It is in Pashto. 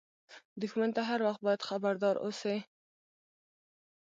دښمن ته هر وخت باید خبردار اوسې